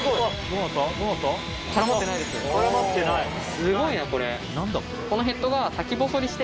すごいなこれ。